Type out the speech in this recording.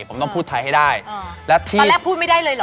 ผมต้องพูดไทยให้ได้แล้วตอนแรกพูดไม่ได้เลยเหรอ